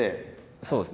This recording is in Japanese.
そうですね